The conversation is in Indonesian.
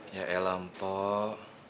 ya elah empoh